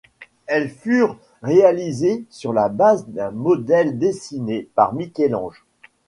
Elles furent réalisées sur la base d'un modèle dessiné par Michel-Ange.